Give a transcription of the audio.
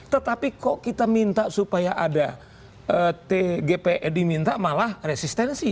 tetapi kok kita minta supaya ada tgpf diminta malah resistensi